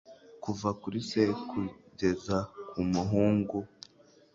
Kuva kuri se kugeza ku muhungu